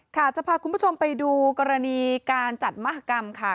ค่ะจะพาคุณผู้ชมไปดูกรณีการจัดมหากรรมค่ะ